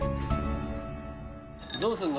どうすんの？